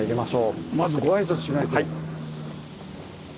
まずご挨拶しないと。